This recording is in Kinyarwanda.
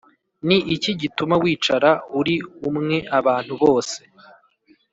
Ni iki gituma wicara uri umwe abantu bose‽